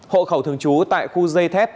hộ khẩu thường trú tại khu dây thép